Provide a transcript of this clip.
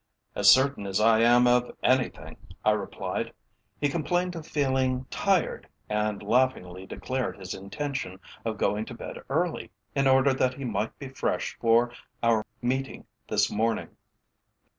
"As certain as I am of anything," I replied. "He complained of feeling tired, and laughingly declared his intention of going to bed early, in order that he might be fresh for our meeting this morning."